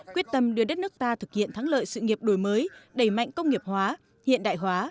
quyết tâm đưa đất nước ta thực hiện thắng lợi sự nghiệp đổi mới đẩy mạnh công nghiệp hóa hiện đại hóa